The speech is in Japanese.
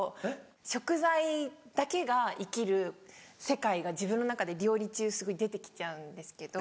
食材だけが生きる世界が自分の中で料理中すごい出て来ちゃうんですけど。